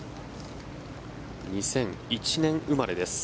２００１年生まれです。